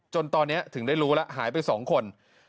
จนตอนนี้ถึงได้รู้แล้วหายไป๒คน